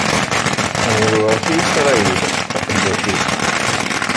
D lweṛt i Isṛayil, aqeddac-is.